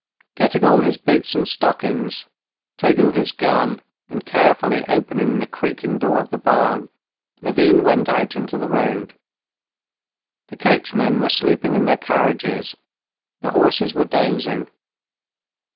Getting on his boots and stockings, taking his gun, and carefully opening the creaking door of the barn, Levin went out into the road. The coachmen were sleeping in their carriages, the horses were dozing.